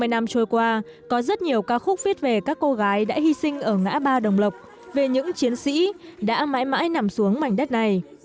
sáu mươi năm trôi qua có rất nhiều ca khúc viết về các cô gái đã hy sinh ở ngã ba đồng lộc về những chiến sĩ đã mãi mãi nằm xuống mảnh đất này